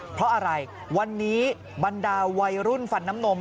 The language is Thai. เพราะอะไรวันนี้บรรดาวัยรุ่นฟันน้ำนม